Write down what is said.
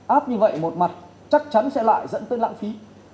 áp như vậy một mặt chắc chắn sẽ lại dẫn tới lãng phí